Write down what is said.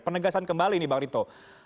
penegasan kembali nih bang rito